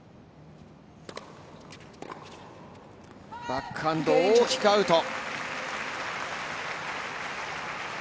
バックハンド、大きくアウト。